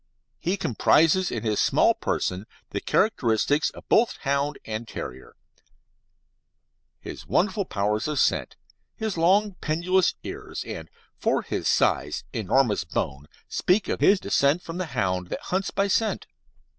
He comprises in his small person the characteristics of both hound and terrier his wonderful powers of scent, his long, pendulous ears, and, for his size, enormous bone, speak of his descent from the hound that hunts by scent.